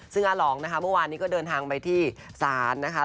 ซึ่งอาหลองนะคะเมื่อวานนี้ก็เดินทางไปที่ศาลนะคะ